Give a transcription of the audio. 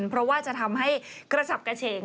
เพราะว่าจะทำให้กระสับกระเฉง